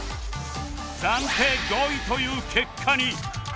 暫定５位という結果に